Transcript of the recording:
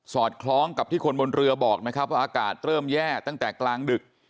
อดคล้องกับที่คนบนเรือบอกนะครับว่าอากาศเริ่มแย่ตั้งแต่กลางดึก